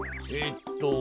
えっと。